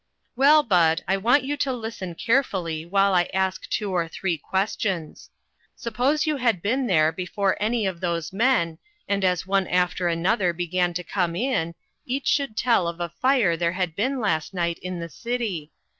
"Well, Bud, I want you to listen care fully while I ask two or three questions. Suppose you had been there before any of 314 INTERRUPTED. those men, and as one after another began to come in, each should tell of a fire there had been last night in the city.